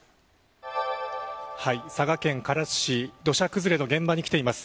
佐賀県唐津市土砂崩れの現場に来ています。